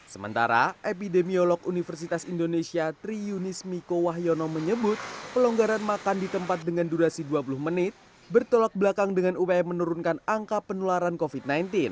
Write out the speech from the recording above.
sementara epidemiolog universitas indonesia tri yunis miko wahyono menyebut pelonggaran makan di tempat dengan durasi dua puluh menit bertolak belakang dengan upaya menurunkan angka penularan covid sembilan belas